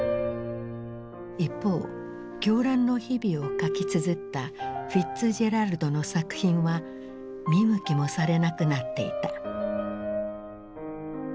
一方狂乱の日々を書きつづったフィッツジェラルドの作品は見向きもされなくなっていた。